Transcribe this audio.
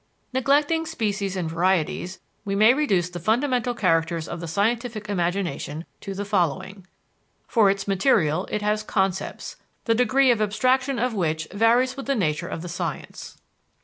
Neglecting species and varieties, we may reduce the fundamental characters of the scientific imagination to the following: For its material, it has concepts, the degree of abstraction of which varies with the nature of the science.